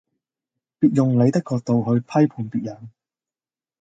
別用你的角度去批判別人